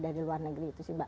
dari luar negeri